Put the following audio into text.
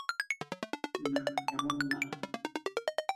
না, এমন না।